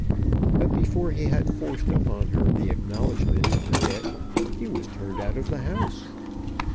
But before he had forced upon her the acknowledgment of the debt, he was turned out of the house!